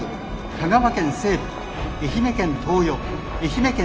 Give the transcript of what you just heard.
香川県西部愛媛県東予愛媛県